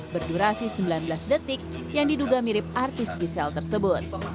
berdurasi sembilan belas detik yang diduga mirip artis gisel tersebut